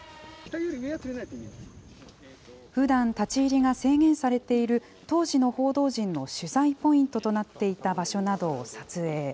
ふだん立ち入りが制限されている当時の報道陣の取材ポイントとなっていた場所などを撮影。